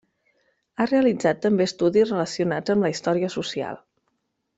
Ha realitzat també estudis relacionats amb la història social.